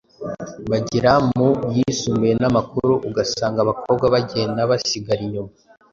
bagera mu yisumbuye n’amakuru ugasanga abakobwa bagenda basigara inyuma.